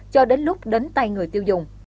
cho đến lúc đến tay người tiêu dùng